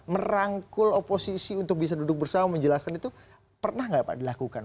merangkul oposisi untuk bisa duduk bersama menjelaskan itu pernah nggak pak dilakukan